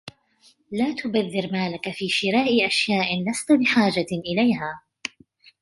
لا تبذر مالك في شراء أشياء لست بحاجة إليها.